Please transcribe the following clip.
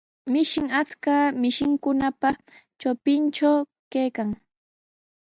Mishin achka mishikunapa trawpintraw kaykan.